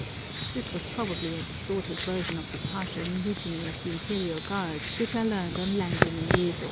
[This was probably a distorted version of the partial mutiny of the Imperial Guard, which I learned on landing in Yezo.